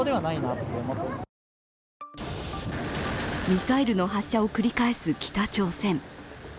ミサイルの発射を繰り返す北朝鮮。